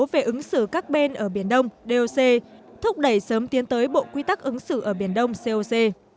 về ứng xử các bên ở biển đông doc thúc đẩy sớm tiến tới bộ quy tắc ứng xử ở biển đông coc